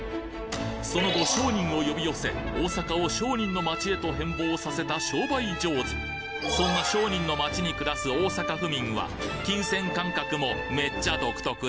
その後商人を呼び寄せ大阪を商人の街へと変貌させた商売上手そんな商人の街に暮らす大阪府民は金銭感覚もめっちゃ独特で